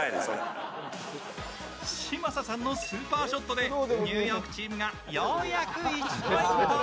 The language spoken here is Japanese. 嶋佐さんのスーパーショットでニューヨークチームがようやく１ポイント。